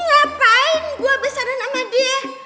ngapain gue besaran sama dia